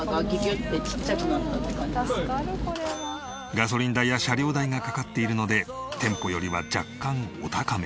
ガソリン代や車両代がかかっているので店舗よりは若干お高め。